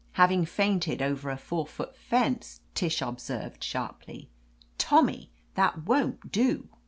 "Having fainted over a four^ foot fence!" Tish observed sharply. "Tommy, that won't do."